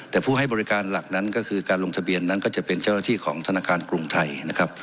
แต่ผู้ให้บริการหลักนั้นก็คือการลงทะเบียนนั้นก็จะเป็นเจ้าหน้าที่ของธนาคารกรุงไทยนะครับ